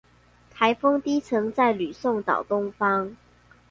颱風低層在呂宋島東方